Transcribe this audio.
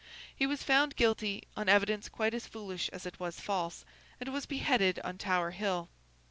He was found guilty, on evidence quite as foolish as it was false, and was beheaded on Tower Hill.